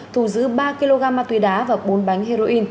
thu giữ ba kg ma túy đá và bốn bánh heroin